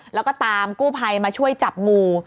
แล้วก็ตามกู้ภัยมาช่วยจับงู